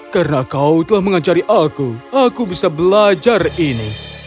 karena kau telah mengajari aku aku bisa belajar ini